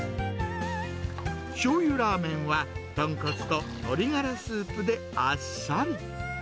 しょうゆラーメンは豚骨と鶏がらスープであっさり。